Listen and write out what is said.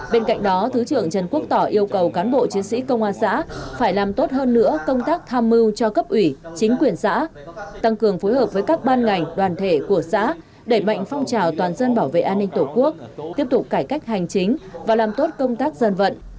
bên cạnh đó thứ trưởng trần quốc tỏ yêu cầu cán bộ chiến sĩ công an xã phải làm tốt hơn nữa công tác tham mưu cho cấp ủy chính quyền xã tăng cường phối hợp với các ban ngành đoàn thể của xã đẩy mạnh phong trào toàn dân bảo vệ an ninh tổ quốc tiếp tục cải cách hành chính và làm tốt công tác dân vận